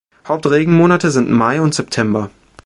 Haupt-Regenmonate sind Mai und September.